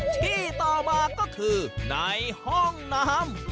ที่ต่อมาก็คือในห้องน้ำ